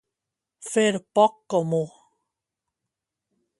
Fer poc comú.